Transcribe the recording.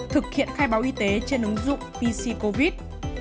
thực hiện khai báo y tế trên ứng dụng pc covid